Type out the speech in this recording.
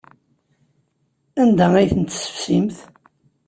Anda ay ten-tessefsimt?